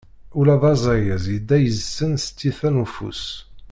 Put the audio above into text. Ula d azayez yedda yid-sen s tyita n ufus.